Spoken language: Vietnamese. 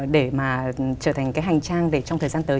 để mà trở thành cái hành trang để trong thời gian tới